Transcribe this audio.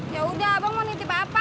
ya udah abang mau nitip apa